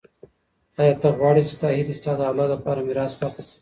ایا ته غواړې چي ستا هیلې ستا د اولاد لپاره ميراث پاته سي؟